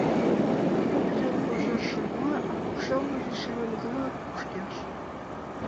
Куп йыр кожер шарла, а покшелныже шараҥгыла кушкеш.